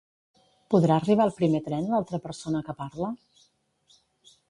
Podrà arribar al primer tren l'altra persona que parla?